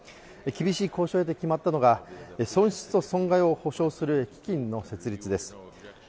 厳しい交渉を経て決まったのが、損失と損害を補償する基金の設立です。